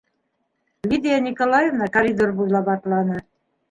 Лидия Николаевна коридор буйлап атланы.